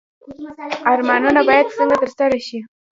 ارمانونه باید څنګه ترسره شي؟